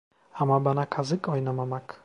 Ama bana kazık oynamamak…